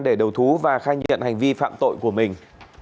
để đầu thú và khai nhận hành vi phạm tội của mình